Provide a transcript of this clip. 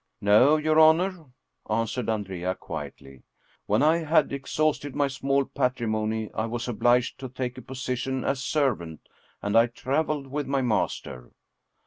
" No, your honor," answered Andrea quietly. " When I had exhausted my small patrimony, I was obliged to take a position as servant, and I traveled with my master."